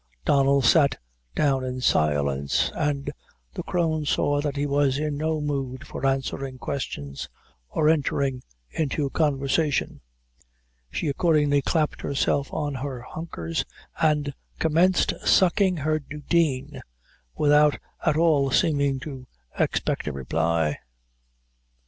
Donnel sat down in silence, and the crone saw that he was in no mood for answering questions, or entering into conversation; she accordingly clapped herself on her hunkers, and commenced sucking her dudeen, without at all seeming to expect a reply.